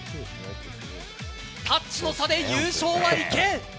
タッチの差で優勝は池江！